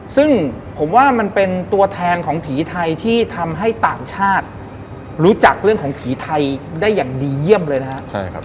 ซึ่งผมว่ามันเป็นตัวแทนของผีไทยที่ทำให้ต่างชาติรู้จักเรื่องของผีไทยได้อย่างดีเยี่ยมเลยนะครับ